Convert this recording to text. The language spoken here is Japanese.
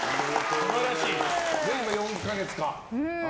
今４か月か。